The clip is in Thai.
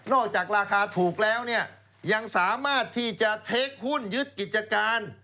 จากราคาถูกแล้วเนี่ยยังสามารถที่จะเทคหุ้นยึดกิจการ